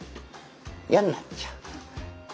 嫌になっちゃう。